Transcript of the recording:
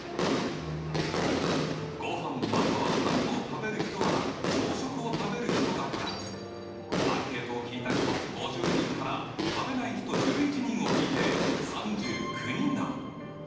ごはんまたはパンを食べる人は朝食を食べる人だからアンケートを聞いた人５０人から食べない人１１人を引いて３９人だ。